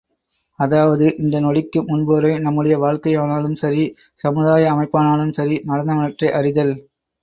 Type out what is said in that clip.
அதாவது இந்த நொடிக்கு முன்புவரை நம்முடைய வாழ்க்கையானாலும் சரி சமுதாய அமைப்பானாலும் சரி நடந்தனவற்றை அறிதல்.